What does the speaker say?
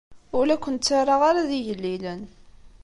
Ur la ken-ttarraɣ ara d igellilen.